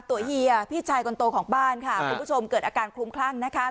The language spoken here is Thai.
เฮียพี่ชายคนโตของบ้านค่ะคุณผู้ชมเกิดอาการคลุมคลั่งนะคะ